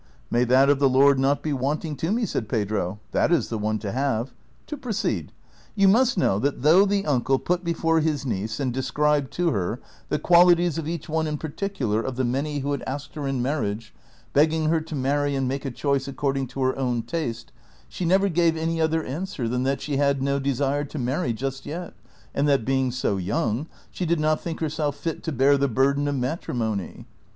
& li " May that of the Lord not be wanting to me," said Pedro ; that is the one to have. To proceed : you must know that though the uncle put before his niece and described to her the (pialities of each one in particular of the many who had asked CHAPTER XI L 75 her in marriage, begging her to marry and make a choice ac cording to her own taste, she never gave any other answer than that she had no desire to marry jnst yet, and that being so young she did not tliink herself fit to bear the burden of matrimony.